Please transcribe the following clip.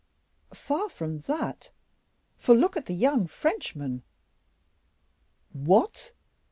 "Far from that for look at the young Frenchman." "What!